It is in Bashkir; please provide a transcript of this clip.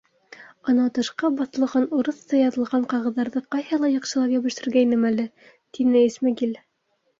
Анау ташҡа баҫылған урыҫса яҙылған ҡағыҙҙарҙы ҡайһылай яҡшылап йәбештергәйнем әле, — тине Исмәғил.